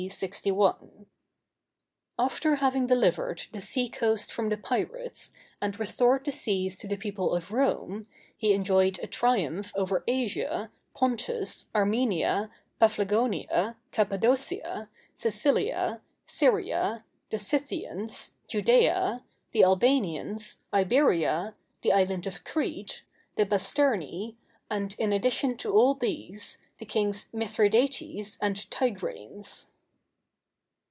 61): "After having delivered the sea coast from the pirates, and restored the seas to the people of Rome, he enjoyed a triumph over Asia, Pontus, Armenia, Paphlagonia, Cappadocia, Cilicia, Syria, the Scythians, Judæa, the Albanians, Iberia, the island of Crete, the Basterni, and, in addition to all these, the kings Mithridates and Tigranes."